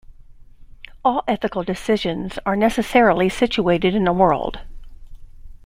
All ethical decisions are necessarily situated in a world.